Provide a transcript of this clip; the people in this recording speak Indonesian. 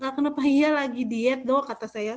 kenapa lagi diet dong kata saya